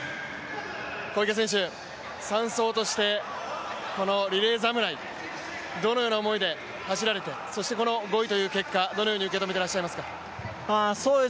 小池選手、３走としてこのリレー侍、どのような思いで走られてそしてこの５位という結果をどのように受け止められていますか。